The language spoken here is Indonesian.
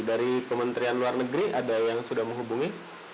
dari kementerian luar negeri ada yang sudah menghubungi